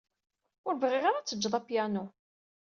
Ur bɣiɣ ara ad tejjed apyanu.